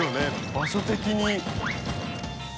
場所的に。